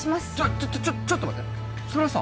ちょちょちょっと待ってそれはさ